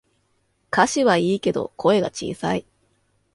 歌詞はいいけど声が小さい